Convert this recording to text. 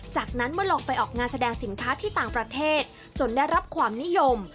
จากนั้นเมื่อลองไปออกงานแสดงสินค้าที่ต่างประเทศจนได้รับความนิยม